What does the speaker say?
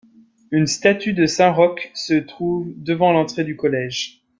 Une statue de saint Roch se trouve devant l’entrée du collège.